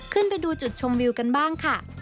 ขึ้นไปดูจุดชมวิวกันบ้างค่ะ